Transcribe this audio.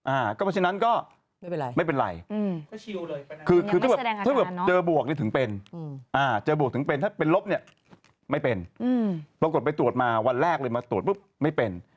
อ่าก็เพราะฉะนั้นก็ไม่เป็นไรคือถ้าเจอบวกถึงเป็นถ้าเป็นลบนี่ไม่เป็นปรากฏไปตรวจมาวันแรกเลยมาตรวจปุ๊บไม่เป็น